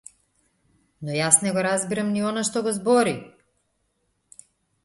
Но јас не го разбирам ни она што го збори!